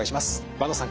板野さん